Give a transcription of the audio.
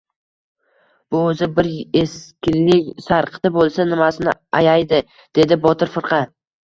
— Bu o‘zi bir... eskilik sarqiti bo‘lsa, nimasini ayaydi? — dedi Botir firqa.